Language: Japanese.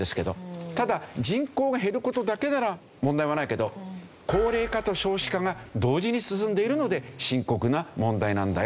ただ人口が減る事だけなら問題はないけど高齢化と少子化が同時に進んでいるので深刻な問題なんだよ。